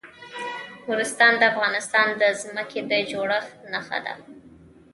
نورستان د افغانستان د ځمکې د جوړښت نښه ده.